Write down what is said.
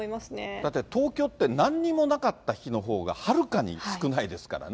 だって、東京ってなんにもなかった日のほうがはるかに少ないですからね。